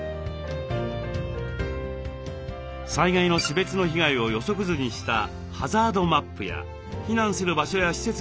災害の種別の被害を予測図にした「ハザードマップ」や避難する場所や施設が分かる「防災地図」。